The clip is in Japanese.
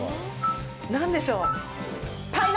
何でしょう？